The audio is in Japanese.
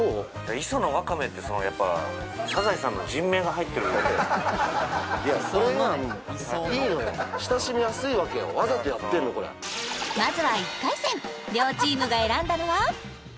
いその、わかめってそのやっぱ「サザエさん」の人名が入ってるいやそれはいいのよ親しみやすいわけよわざとやってんのこれはまずは１回戦両チームが選んだのは？